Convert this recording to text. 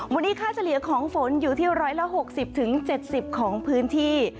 วันนี้ค่าเฉลี่ยของฝนอยู่ที่๑๖๐๗๐ของพื้นที่